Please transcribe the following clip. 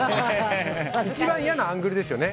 一番嫌なアングルですよね。